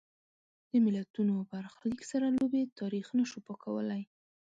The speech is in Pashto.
د ملتونو برخلیک سره لوبې تاریخ نه شو پاکولای.